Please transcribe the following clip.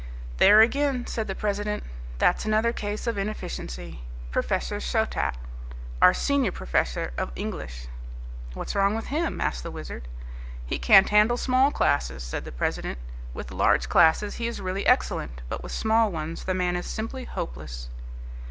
"There again," said the president, "that's another case of inefficiency Professor Shottat, our senior professor of English." "What's wrong with him?" asked the Wizard. "He can't handle small classes," said the president. "With large classes he is really excellent, but with small ones the man is simply hopeless."